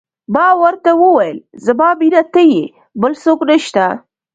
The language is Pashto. ما ورته وویل: زما مینه ته یې، بل څوک نه شته.